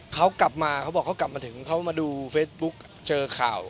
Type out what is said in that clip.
เขากลับมาเขาบอกเขากลับมาถึงเขามาดูเฟซบุ๊กเจอข่าว